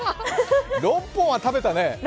６本は食べたね。